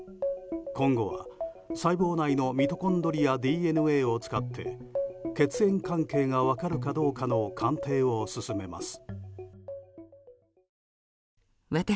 今後は細胞内のミトコンドリアＤＮＡを使って血縁関係が分かるかどうかの鑑定を進めます。